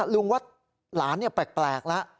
ลุงว่าหลานแปลกแล้ว